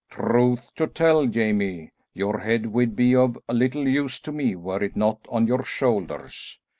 "Truth to tell, Jamie, your head would be of little use to me were it not on your shoulders.